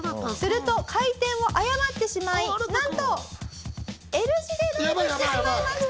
すると回転を誤ってしまいなんと。